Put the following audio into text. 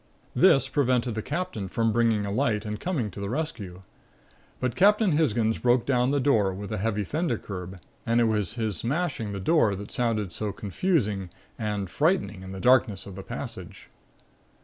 This prevented the Captain from bringing a light and coming to the rescue. But Captain Hisgins broke down the door with the heavy fender curb and it was his smashing the door that sounded so confusing and frightening in the darkness of the passage.